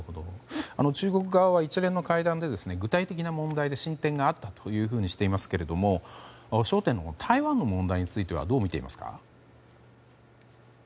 中国側は一連の会談で具体的な問題で進展があったとしていますが焦点の台湾問題についてはどうみていますか？